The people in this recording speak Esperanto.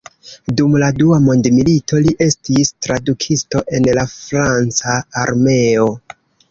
Dum la dua mondmilito li estis tradukisto en la franca armeo.